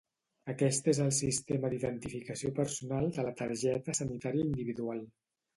Aquest és el sistema d'identificació personal de la targeta sanitària individual.